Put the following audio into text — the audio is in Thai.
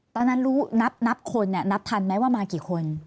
ตอนนั้นรู้นับคนนับทันไหมว่ามากี่คน